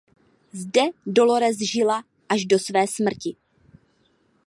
Zde Dolores žila až do své smrti.